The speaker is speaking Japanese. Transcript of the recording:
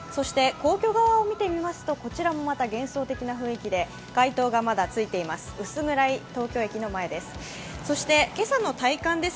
皇居側を見てみますと、こちらもまた幻想的な雰囲気で街灯がまだついています、薄暗い東京駅の前です。